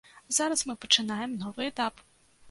Зараз мы пачынаем новы этап.